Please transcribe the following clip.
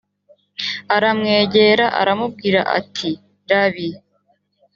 aramwegera aramubwira ati rabi